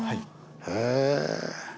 へえ。